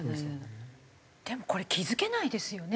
でも気付けないですよね